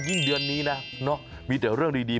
ยิ่งเดือนนี้นะเนอะมีแต่เรื่องดี